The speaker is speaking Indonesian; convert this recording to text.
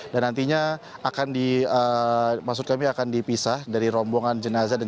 dan nantinya akan di maksud kami akan dipisah dari rombongan jenazah dan jenazah tersebut